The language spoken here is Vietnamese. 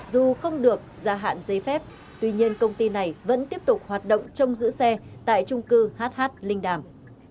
dù không được gia hạn giấy phép tuy nhiên công ty này vẫn tiếp tục hoạt động trong giữ xe tại trung cư hh linh đàm